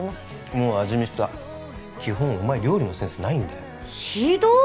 もう味見した基本お前料理のセンスないんだよひどっ！